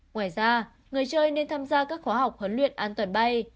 ngoài ra người chơi nên tham gia các khóa học huấn luyện an toàn bay